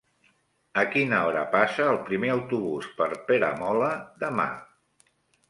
A quina hora passa el primer autobús per Peramola demà?